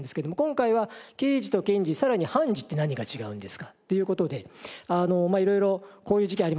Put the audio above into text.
今回は「刑事と検事さらに判事って何が違うんですか？」っていう事で色々「こういう事件ありませんか？」